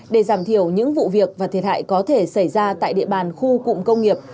để giảm thiểu những vụ việc và thiệt hại có thể xảy ra tại địa bàn khu cụm công nghiệp